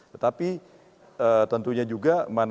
tetapi tentunya juga